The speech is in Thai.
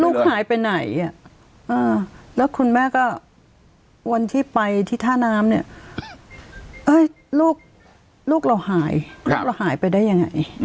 ลูกหายไปไหนแล้วคุณแม่ก็วันที่ไปที่ท่าน้ำเนี่ยลูกเราหายลูกเราหายไปได้ยังไง